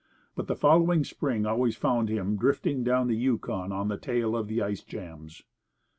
But the following spring always found him drifting down the Yukon on the tail of the ice jams.